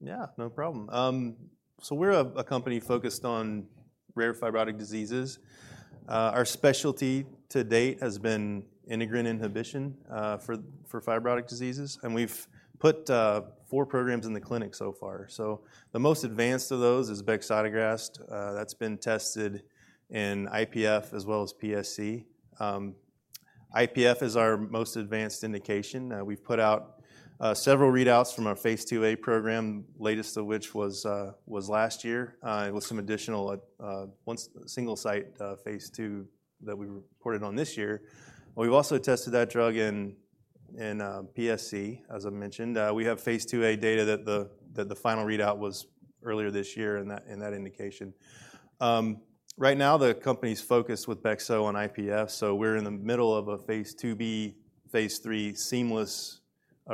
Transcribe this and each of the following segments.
Yeah, no problem. So we're a company focused on rare fibrotic diseases. Our specialty to date has been integrin inhibition for fibrotic diseases, and we've put four programs in the clinic so far. So the most advanced of those is bexotegrast. That's been tested in IPF as well as PSC. IPF is our most advanced indication. We've put out several readouts from our phase IIa program, latest of which was last year, with some additional one single site phase II that we reported on this year. We've also tested that drug in PSC, as I mentioned. We have phase IIa data that the final readout was earlier this year in that indication. Right now, the company's focus with Bexo and IPF, so we're in the middle of a phase IIb, phase III seamless,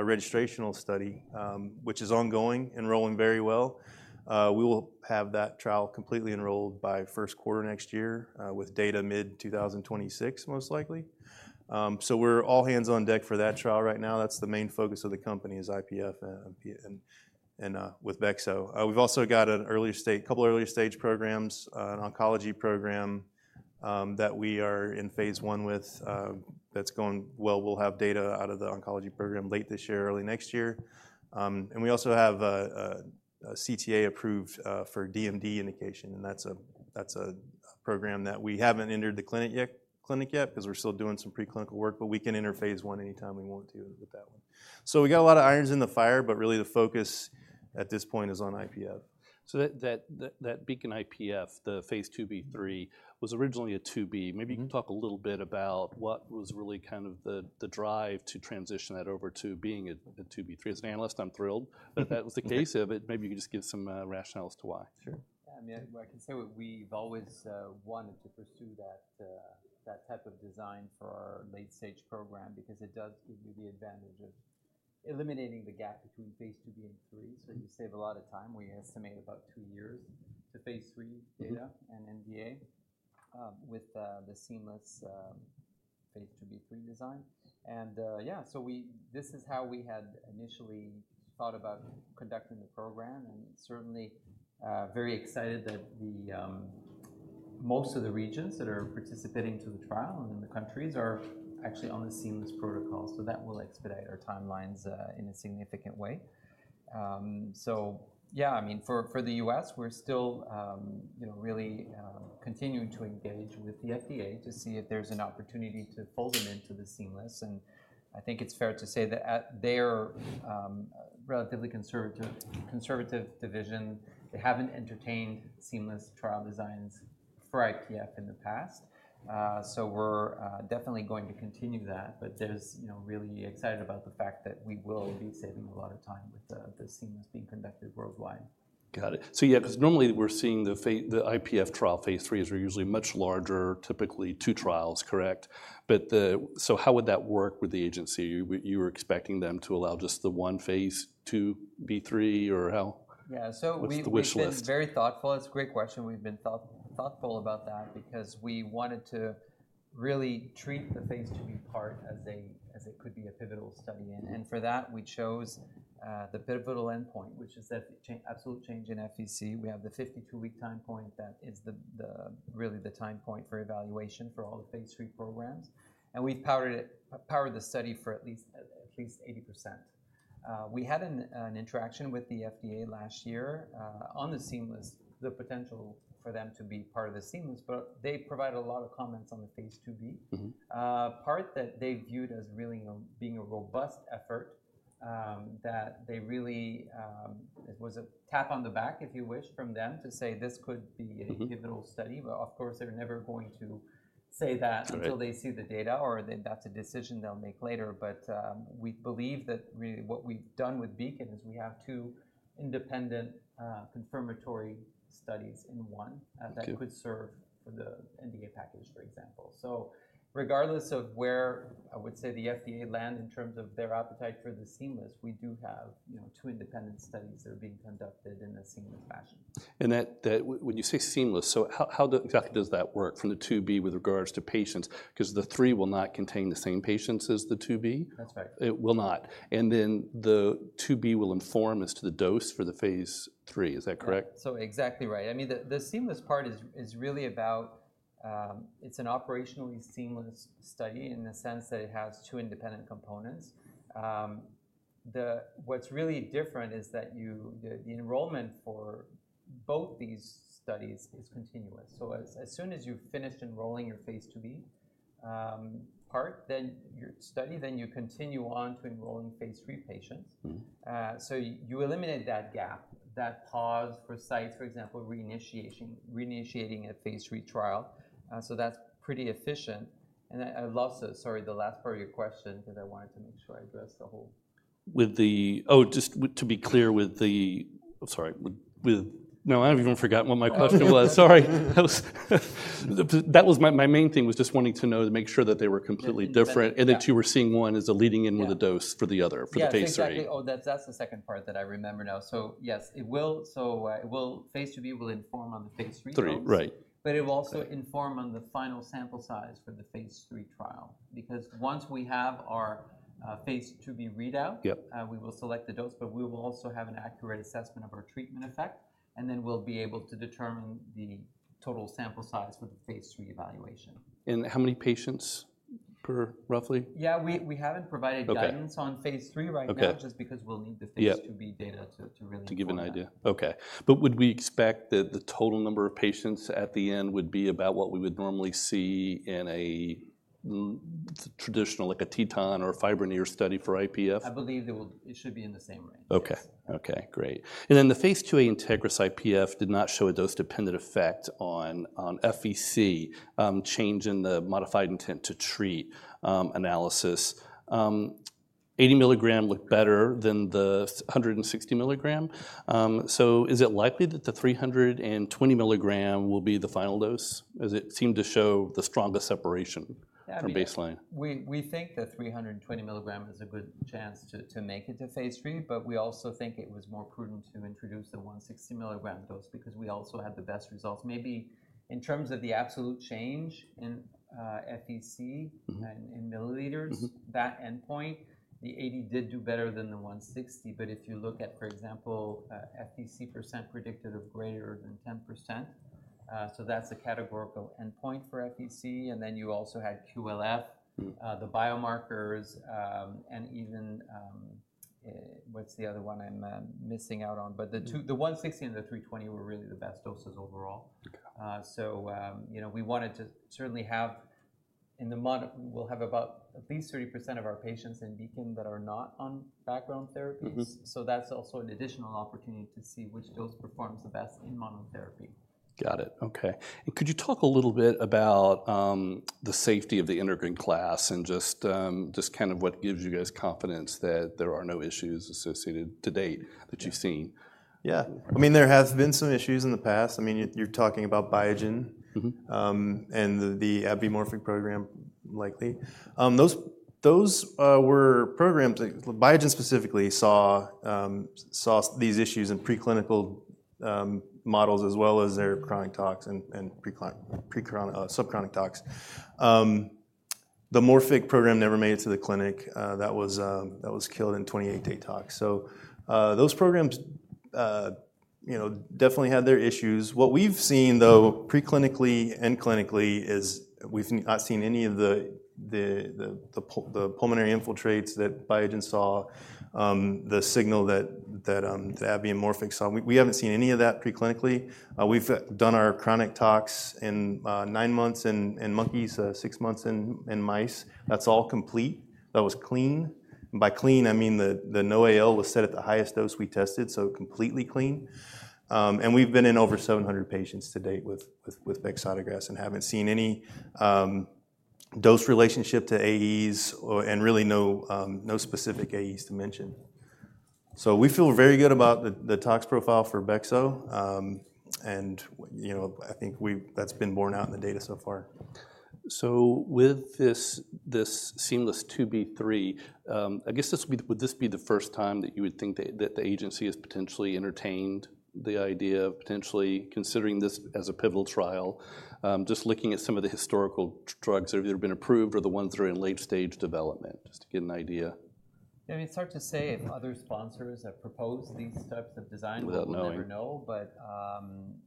registrational study, which is ongoing, enrolling very well. We will have that trial completely enrolled by first quarter next year, with data mid-2026, most likely. So we're all hands on deck for that trial right now. That's the main focus of the company is IPF and with Bexo. We've also got a couple early stage programs, an oncology program, that we are in phase I with, that's going well. We'll have data out of the oncology program late this year, early next year. And we also have a CTA approved for DMD indication, and that's a program that we haven't entered the clinic yet 'cause we're still doing some preclinical work, but we can enter phase I anytime we want to with that one. So we got a lot of irons in the fire, but really the focus at this point is on IPF. So, BEACON-IPF, the phase IIb/III, was originally a IIb. Mm-hmm. Maybe you can talk a little bit about what was really kind of the drive to transition that over to being a IIb/III. As an analyst, I'm thrilled that that was the case of it. Maybe you could just give some rationales to why? Sure. Yeah, I mean, I can say that we've always wanted to pursue that type of design for our late-stage program because it does give you the advantage of eliminating the gap between phase IIb and III, so you save a lot of time. We estimate about two years to phase III data- Mm-hmm. - and NDA with the seamless phase IIb/III design. And yeah, so we this is how we had initially thought about conducting the program, and certainly very excited that the most of the regions that are participating to the trial and in the countries are actually on the seamless protocol. So that will expedite our timelines in a significant way. So yeah, I mean, for the U.S., we're still you know really continuing to engage with the FDA to see if there's an opportunity to fold them into the seamless, and I think it's fair to say that at their relatively conservative, conservative division, they haven't entertained seamless trial designs for IPF in the past. So we're definitely going to continue that, but just, you know, really excited about the fact that we will be saving a lot of time with the seamless being conducted worldwide. Got it. So yeah, 'cause normally we're seeing the IPF trial phase IIIs are usually much larger, typically two trials, correct? But the... So how would that work with the agency? You were expecting them to allow just the one phase IIb/III, or how? Yeah, so we've- What's the wish list? - been very thoughtful. It's a great question. We've been thoughtful about that because we wanted to really treat the phase IIb part as a, as it could be a pivotal study. Mm-hmm. And for that, we chose the pivotal endpoint, which is that absolute change in FVC. We have the 52-week time point that is really the time point for evaluation for all the phase III programs, and we've powered the study for at least 80%. We had an interaction with the FDA last year on the seamless, the potential for them to be part of the seamless, but they provided a lot of comments on the phase IIb- Mm-hmm... part that they viewed as really, being a robust effort, that they really, it was a tap on the back, if you wish, from them to say, "This could be- Mm-hmm... a pivotal study." But of course, they're never going to say that- Right... until they see the data, or that's a decision they'll make later. But, we believe that really what we've done with BEACON is we have two independent, confirmatory studies in one- Okay... that could serve for the NDA package, for example. So regardless of where I would say the FDA land in terms of their appetite for the seamless, we do have, you know, two independent studies that are being conducted in a seamless fashion. And when you say seamless, so how exactly does that work from the IIb with regards to patients? Because the III will not contain the same patients as the IIb. That's right. It will not. And then the IIb will inform as to the dose for the Phase III, is that correct? So exactly right. I mean, the seamless part is really about. It's an operationally seamless study in the sense that it has two independent components. What's really different is that you, the enrollment for both these studies is continuous. So as soon as you've finished enrolling your phase IIb part, then your study, then you continue on to enrolling phase III patients. Mm-hmm. So you eliminate that gap, that pause for sites, for example, reinitiating a phase III trial. So that's pretty efficient. And I lost the... Sorry, the last part of your question, because I wanted to make sure I addressed the whole- Now, I've even forgotten what my question was. Sorry. That was my main thing, just wanting to know, to make sure that they were completely different. Yeah... and that you were seeing one as a leading in with the dose- Yeah... for the other, for the phase III. Yeah, exactly. Oh, that's, that's the second part that I remember now. So yes, it will. So, it will. Phase IIb will inform on the phase III trials. III, right. But it will also inform on the final sample size for the phase III trial. Because once we have our phase IIb readout. Yep. We will select the dose, but we will also have an accurate assessment of our treatment effect, and then we'll be able to determine the total sample size for the phase III evaluation. How many patients per, roughly? Yeah, we haven't provided- Okay. guidance on phase III right now. Okay. -just because we'll need the- Yeah - phase IIb data to really- To give an idea. Okay. But would we expect that the total number of patients at the end would be about what we would normally see in a traditional, like a TETON or a FIBRONEER study for IPF? I believe it should be in the same range. Okay. Okay, great. And then the phase IIa INTEGRIS-IPF did not show a dose-dependent effect on FVC change in the modified intent-to-treat analysis. 80 milligram looked better than the 160 milligram. So is it likely that the 320 milligram will be the final dose, as it seemed to show the strongest separation? Yeah, yeah -from baseline? We think the 320 milligram has a good chance to make it to Phase III, but we also think it was more prudent to introduce the 160 milligram dose because we also had the best results. Maybe in terms of the absolute change in FVC- Mm-hmm... and in milliliters- Mm-hmm... that endpoint, the 80 did do better than the 160. But if you look at, for example, FVC percent predicted of greater than 10%, so that's a categorical endpoint for FVC, and then you also had QLF- Mm. the biomarkers, and even, what's the other one I'm missing out on? Mm. But the two, the 160 and the 320 were really the best doses overall. Okay. So, you know, we wanted to certainly have, we'll have about at least 30% of our patients in BEACON that are not on background therapies. Mm-hmm. That's also an additional opportunity to see which dose performs the best in monotherapy. Got it. Okay. And could you talk a little bit about, the safety of the integrin class and just, just kind of what gives you guys confidence that there are no issues associated to date that you've seen? Yeah. I mean, there have been some issues in the past. I mean, you're talking about Biogen- Mm-hmm... and the AbbVie-Morphic program, likely. Those were programs that Biogen specifically saw these issues in preclinical models, as well as their chronic tox and prechronic subchronic tox. The Morphic program never made it to the clinic. That was killed in 28-day tox. So, those programs, you know, definitely had their issues. What we've seen, though, preclinically and clinically, is we've not seen any of the pulmonary infiltrates that Biogen saw, the signal that the AbbVie-Morphic saw. We haven't seen any of that preclinically. We've done our chronic tox in 9 months in monkeys, 6 months in mice. That's all complete. That was clean. By clean, I mean the NOAEL was set at the highest dose we tested, so completely clean. And we've been in over 700 patients to date with bexotegrast and haven't seen any dose relationship to AEs or and really no specific AEs to mention. So we feel very good about the tox profile for Bexo. And, you know, I think we've, that's been borne out in the data so far. So with this, this seamless IIb/III, I guess, would this be the first time that you would think that the agency has potentially entertained the idea of potentially considering this as a pivotal trial? Just looking at some of the historical drugs that have either been approved or the ones that are in late-stage development, just to get an idea. I mean, it's hard to say if other sponsors have proposed these types of design- Without knowing We'll never know. But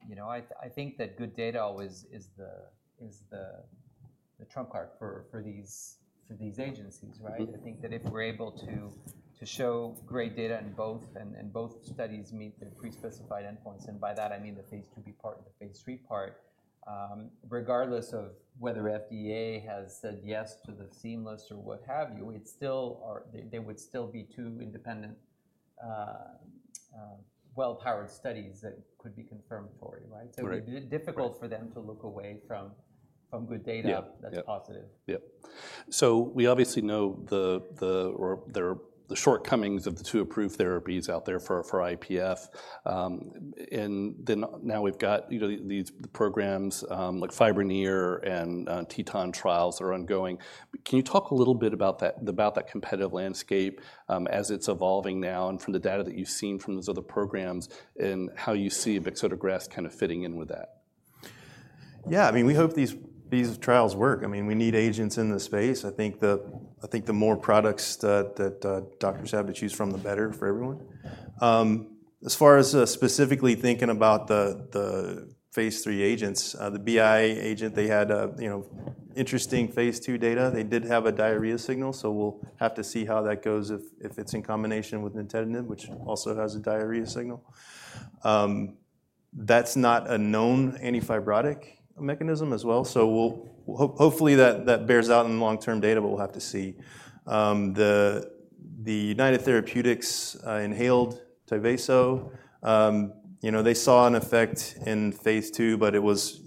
you know, I think that good data always is the trump card for these agencies, right? Mm-hmm. I think that if we're able to show great data in both, and both studies meet their pre-specified endpoints, and by that I mean the phase IIb part and the phase III part, regardless of whether FDA has said yes to the seamless or what have you, it's still, or they, they would still be two independent, well-powered studies that could be confirmatory, right? Right. It would be difficult for them to look away from good data- Yeah, yeah -that's positive. Yeah. So we obviously know the shortcomings of the two approved therapies out there for IPF. And then now we've got, you know, these programs like FIBRONEER and TETON trials are ongoing. Can you talk a little bit about that, about that competitive landscape as it's evolving now, and from the data that you've seen from those other programs, and how you see bexotegrast kind of fitting in with that? Yeah, I mean, we hope these trials work. I mean, we need agents in the space. I think the more products that doctors have to choose from, the better for everyone. As far as specifically thinking about the phase III agents, the BI agent, they had, you know, interesting phase II data. They did have a diarrhea signal, so we'll have to see how that goes, if it's in combination with nintedanib, which also has a diarrhea signal. That's not a known antifibrotic mechanism as well, so we'll hopefully that bears out in the long-term data, but we'll have to see. The United Therapeutics inhaled Tyvaso, you know, they saw an effect in phase II, but it was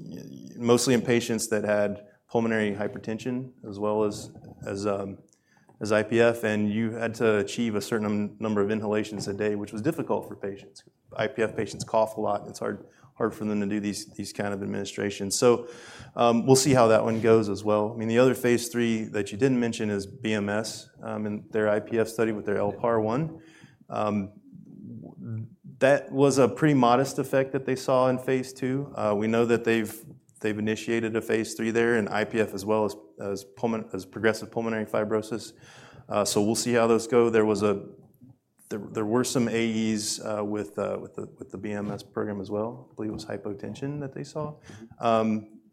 mostly in patients that had pulmonary hypertension as well as IPF, and you had to achieve a certain number of inhalations a day, which was difficult for patients. IPF patients cough a lot, and it's hard for them to do these kind of administrations. So, we'll see how that one goes as well. I mean, the other phase III that you didn't mention is BMS, and their IPF study with their LPAR1. That was a pretty modest effect that they saw in phase II. We know that they've initiated a phase III there in IPF, as well as progressive pulmonary fibrosis. So we'll see how those go. There were some AEs with the BMS program as well. I believe it was hypotension that they saw.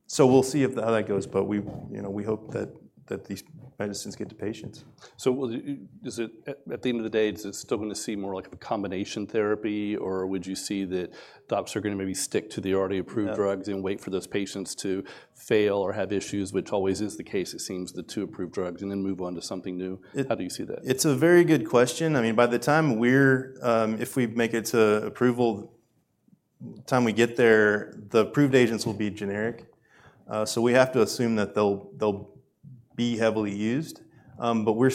So we'll see how that goes, but we, you know, we hope that these medicines get to patients. So, what is it at the end of the day, is it still gonna see more like of a combination therapy, or would you see that docs are gonna maybe stick to the already approved drugs? Yeah and wait for those patients to fail or have issues, which always is the case, it seems, the two approved drugs, and then move on to something new? It- How do you see that? It's a very good question. I mean, by the time we're If we make it to approval, by the time we get there, the approved agents will be generic. So we have to assume that they'll, they'll be heavily used. But we're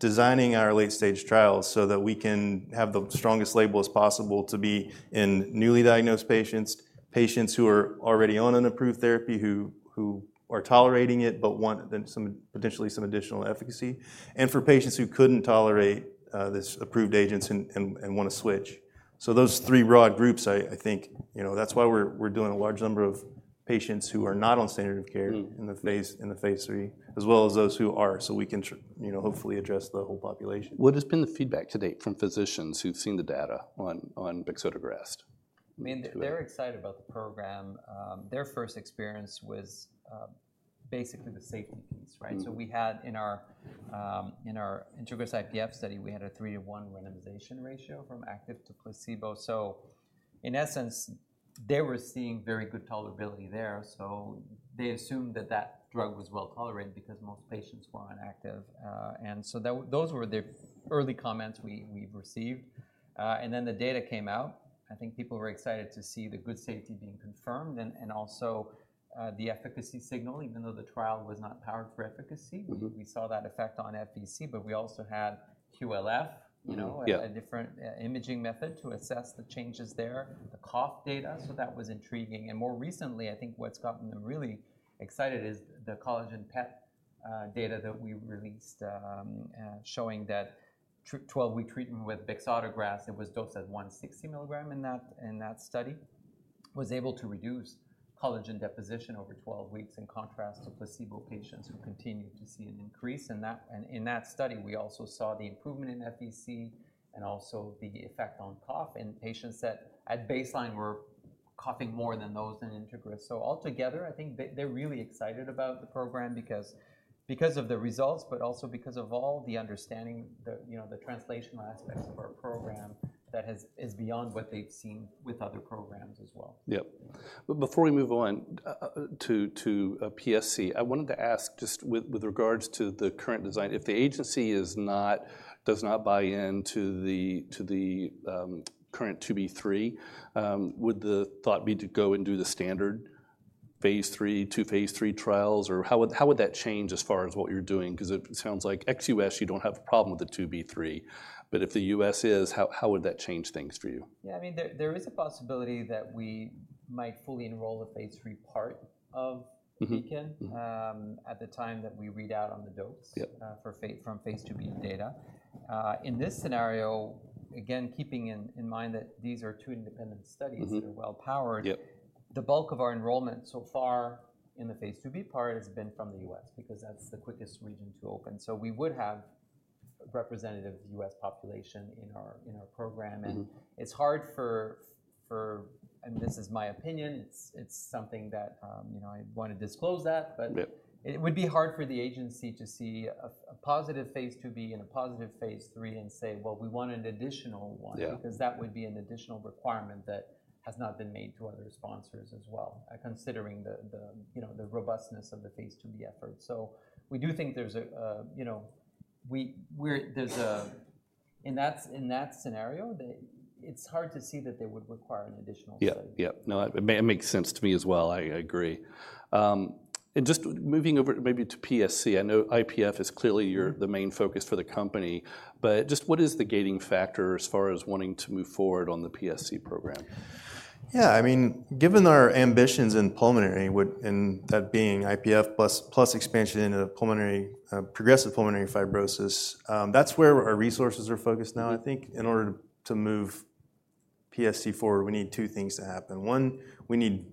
designing our late-stage trials so that we can have the strongest label as possible to be in newly diagnosed patients, patients who are already on an approved therapy, who are tolerating it, but want then some, potentially some additional efficacy, and for patients who couldn't tolerate this approved agents and wanna switch. So those three broad groups, I think, you know, that's why we're doing a large number of patients who are not on standard of care- Mm. in the phase III, as well as those who are, so we can, you know, hopefully address the whole population. What has been the feedback to date from physicians who've seen the data on bexotegrast? I mean, they're excited about the program. Their first experience was basically the safety piece, right? Mm. So we had in our INTEGRIS-IPF study, we had a 3-to-1 randomization ratio from active to placebo. So in essence, they were seeing very good tolerability there, so they assumed that that drug was well tolerated because most patients were on active. And so that those were the early comments we've received. And then the data came out. I think people were excited to see the good safety being confirmed, and, and also, the efficacy signal, even though the trial was not powered for efficacy. Mm-hmm. We saw that effect on FVC, but we also had QLF, you know. Mm-hmm. Yeah... as a different imaging method to assess the changes there, the cough data, so that was intriguing. And more recently, I think what's gotten them really excited is the collagen PET data that we released, showing that 12-week treatment with bexotegrast, it was dosed at 160 mg in that study, was able to reduce collagen deposition over 12 weeks, in contrast to placebo patients who continued to see an increase. In that, and in that study, we also saw the improvement in FVC and also the effect on cough in patients that at baseline were coughing more than those in INTEGRIS. So altogether, I think they're really excited about the program because of the results, but also because of all the understanding, you know, the translational aspects of our program that is beyond what they've seen with other programs as well. Yep. But before we move on to PSC, I wanted to ask, just with regards to the current design, if the agency does not buy in to the current IIb/III, would the thought be to go and do the standard phase III, II phase III trials? Or how would that change as far as what you're doing? 'Cause it sounds like ex-U.S., you don't have a problem with the IIb/III, but if the USA is, how would that change things for you? Yeah, I mean, there, there is a possibility that we might fully enroll the phase III part of- Mm-hmm... BEACON, at the time that we read out on the dose- Yep From Phase IIb data. In this scenario, again, keeping in mind that these are two independent studies- Mm-hmm... that are well powered- Yep ... the bulk of our enrollment so far in the Phase IIb part has been from the U.S., because that's the quickest region to open. So we would have representative U.S. population in our program. Mm-hmm. It's hard for. This is my opinion, it's something that, you know, I want to disclose that- Yep... but it would be hard for the agency to see a positive Phase IIb and a positive Phase III and say, "Well, we want an additional one. Yeah. Because that would be an additional requirement that has not been made to other sponsors as well, considering the you know, the robustness of the phase IIb effort. So we do think there's a you know, there's a... In that scenario, it's hard to see that they would require an additional study. Yeah. Yep. No, it makes sense to me as well. I agree. And just moving over maybe to PSC, I know IPF is clearly your- the main focus for the company, but just what is the gating factor as far as wanting to move forward on the PSC program? Yeah, I mean, given our ambitions in the pulmonary world, and that being IPF plus plus expansion into pulmonary, progressive pulmonary fibrosis, that's where our resources are focused now. Mm. I think in order to move PSC forward, we need two things to happen. One, we need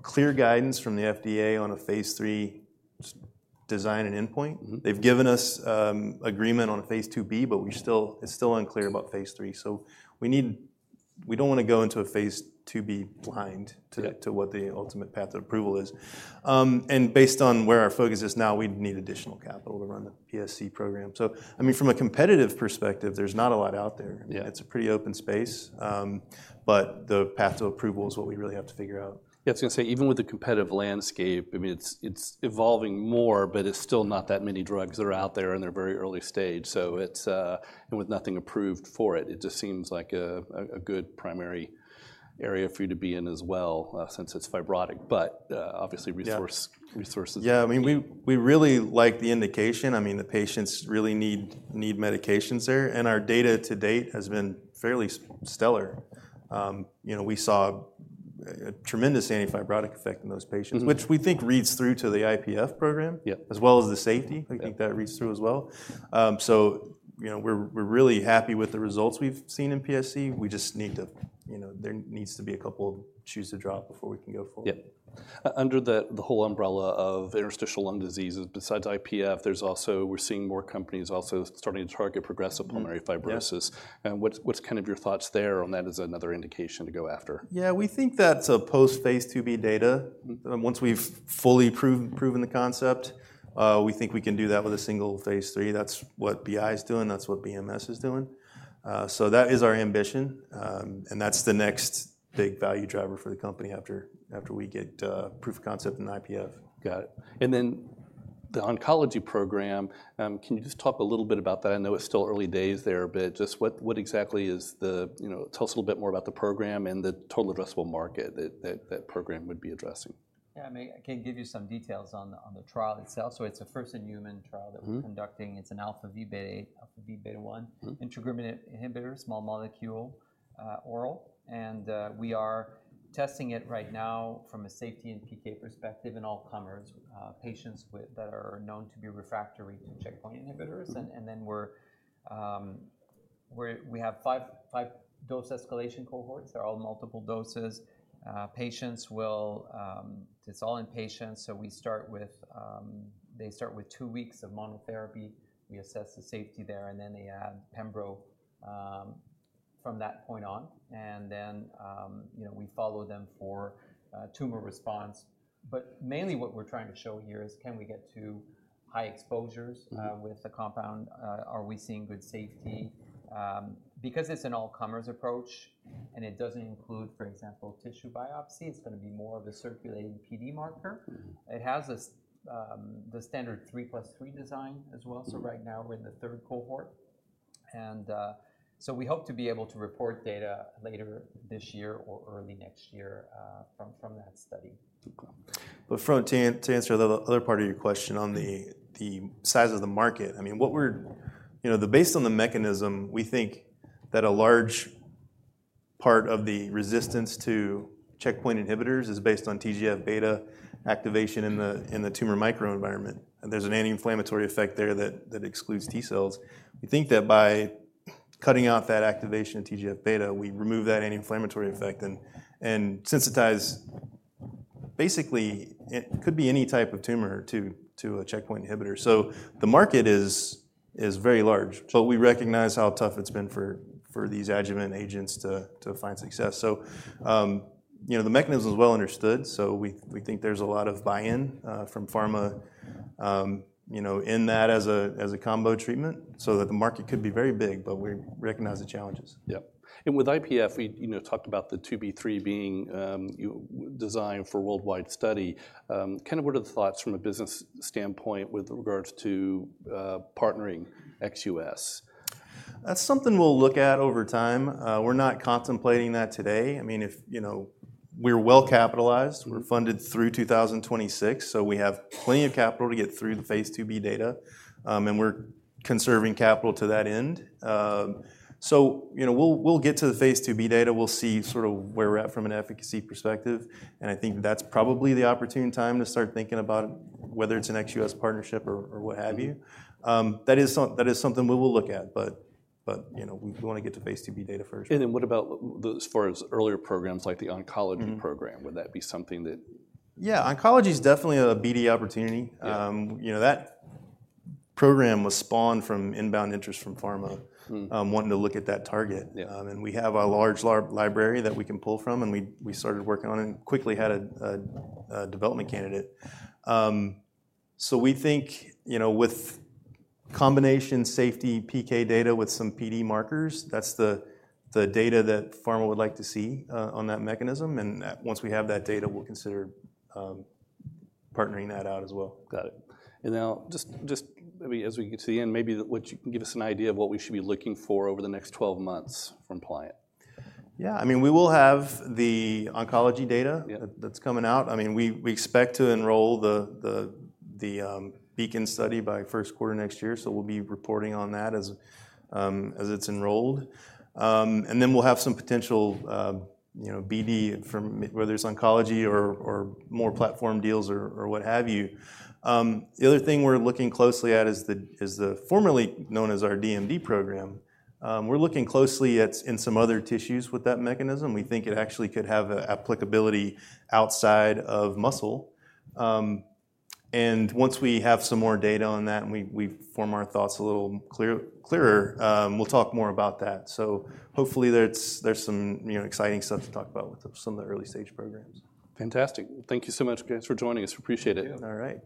clear guidance from the FDA on a phase III design and endpoint. Mm-hmm. They've given us agreement on a phase IIb, but we still- Mm. It's still unclear about phase III. So we don't wanna go into a phase IIb blind to the- Yep... to what the ultimate path of approval is. And based on where our focus is now, we'd need additional capital to run the PSC program. So, I mean, from a competitive perspective, there's not a lot out there. Yeah. It's a pretty open space. The path to approval is what we really have to figure out. Yeah, I was gonna say, even with the competitive landscape, I mean, it's, it's evolving more, but it's still not that many drugs that are out there, and they're very early stage. So it's... And with nothing approved for it, it just seems like a, a, a good primary area for you to be in as well, since it's fibrotic. But, obviously resource- Yeah... resources. Yeah, I mean, we really like the indication. I mean, the patients really need medications there, and our data to date has been fairly stellar. You know, we saw a tremendous antifibrotic effect in those patients- Mm-hmm. which we think reads through to the IPF program. Yeah. As well as the safety. Yeah. We think that reads through as well. So, you know, we're really happy with the results we've seen in PSC. We just need to, you know, there needs to be a couple of shoes to drop before we can go forward. Yeah. Under the whole umbrella of interstitial lung diseases, besides IPF, there's also, we're seeing more companies also starting to target progressive- Mm-hmm. - Pulmonary fibrosis. Yeah. What's kind of your thoughts there on that as another indication to go after? Yeah, we think that's a post-Phase IIb data. Once we've fully proved, proven the concept, we think we can do that with a single Phase III. That's what BI is doing, that's what BMS is doing. So that is our ambition, and that's the next big value driver for the company after, after we get proof of concept in the IPF. Got it. And then the oncology program, can you just talk a little bit about that? I know it's still early days there, but just what exactly is the... You know, tell us a little bit more about the program and the total addressable market that program would be addressing. Yeah, I mean, I can give you some details on the trial itself. So it's a first-in-human trial- Mm-hmm -that we're conducting. It's an alpha v beta, alpha v beta 1- Mm-hmm integrin inhibitor, small molecule, oral. And, we are testing it right now from a safety and PK perspective in all comers, patients with that are known to be refractory to checkpoint inhibitors. Mm-hmm. We have five dose escalation cohorts. They're all multiple doses. Patients will. It's all in patients, so they start with two weeks of monotherapy. We assess the safety there, and then they add pembro from that point on, and then you know, we follow them for tumor response. But mainly, what we're trying to show here is, can we get to high exposures- Mm-hmm With the compound? Are we seeing good safety? Because it's an all comers approach and it doesn't include, for example, tissue biopsy, it's gonna be more of a circulating PD marker. Mm-hmm. It has the standard 3 + 3 design as well. Mm-hmm. So right now, we're in the third cohort, and so we hope to be able to report data later this year or early next year, from that study. Too cool. But Frank, to answer the other part of your question on the- Mm-hmm the size of the market, I mean, what we're... You know, based on the mechanism, we think that a large part of the resistance to checkpoint inhibitors is based on TGF-beta activation in the tumor microenvironment, and there's an anti-inflammatory effect there that excludes T cells. We think that by cutting off that activation of TGF-beta, we remove that anti-inflammatory effect and sensitize... Basically, it could be any type of tumor to a checkpoint inhibitor. So the market is very large, but we recognize how tough it's been for these adjuvant agents to find success. So, you know, the mechanism is well understood, so we think there's a lot of buy-in from pharma, you know, in that as a combo treatment, so that the market could be very big, but we recognize the challenges. Yeah. And with IPF, we, you know, talked about the IIb/III being designed for worldwide study. Kind of what are the thoughts from a business standpoint with regards to partnering ex-U.S.? That's something we'll look at over time. We're not contemplating that today. I mean, if, you know... We're well capitalized. Mm-hmm. We're funded through 2026, so we have plenty of capital to get through the phase IIb data, and we're conserving capital to that end. So, you know, we'll get to the phase IIb data. We'll see sort of where we're at from an efficacy perspective, and I think that's probably the opportune time to start thinking about whether it's an ex-U.S. partnership or what have you. Mm-hmm. That is something we will look at, but, you know, we wanna get to phase IIb data first. And then what about as far as earlier programs like the oncology program? Mm-hmm. Would that be something that- Yeah, oncology is definitely a BD opportunity. Yeah. You know, that program was spawned from inbound interest from pharma- Hmm - wanting to look at that target. Yeah. We have a large library that we can pull from, and we started working on it and quickly had a development candidate. We think, you know, with combination safety PK data with some PD markers, that's the data that pharma would like to see on that mechanism, and once we have that data, we'll consider partnering that out as well. Got it. And now, just, I mean, as we get to the end, maybe you can give us an idea of what we should be looking for over the next 12 months from Pliant? Yeah. I mean, we will have the oncology data- Yeah - that's coming out. I mean, we expect to enroll the BEACON study by first quarter next year, so we'll be reporting on that as it's enrolled. And then we'll have some potential, you know, BD from whether it's oncology or more platform deals or what have you. The other thing we're looking closely at is the formerly known as our DMD program. We're looking closely at in some other tissues with that mechanism. We think it actually could have a applicability outside of muscle. And once we have some more data on that and we form our thoughts a little clearer, we'll talk more about that. So hopefully, there's some, you know, exciting stuff to talk about with some of the early-stage programs. Fantastic. Thank you so much, guys, for joining us. We appreciate it. All right.